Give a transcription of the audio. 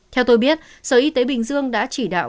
theo tôi biết sở y tế bình dương đã chỉ đạo